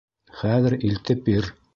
— Хәҙер илтеп бир.